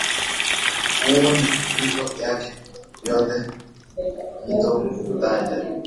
huo na mito yake yote Mito hutaja